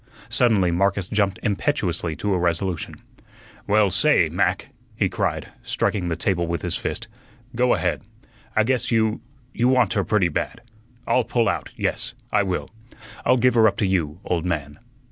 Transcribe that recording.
Suddenly Marcus jumped impetuously to a resolution. "Well, say, Mac," he cried, striking the table with his fist, "go ahead. I guess you you want her pretty bad. I'll pull out; yes, I will. I'll give her up to you, old man."